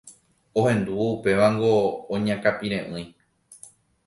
Ohendúvo upévango oñakãpire'ỹi.